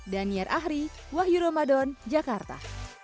daniar ahri wahyu ramadan jakarta